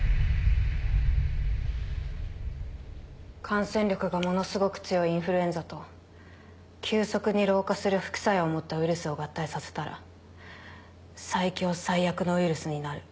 感染力がものすごく強いインフルエンザと急速に老化する副作用を持ったウイルスを合体させたら最強最悪のウイルスになる。